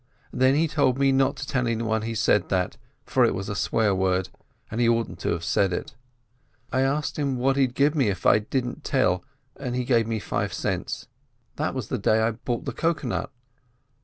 Then he told me not to tell any one he'd said that, for it was a swear word, and he oughtn't to have said it. I asked him what he'd give me if I didn't tell, an' he gave me five cents. That was the day I bought the cocoa nut."